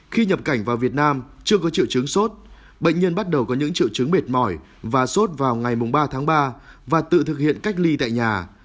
khi nhập cảnh vào việt nam chưa có triệu chứng sốt bệnh nhân bắt đầu có những triệu chứng mệt mỏi và sốt vào ngày ba tháng ba và tự thực hiện cách ly tại nhà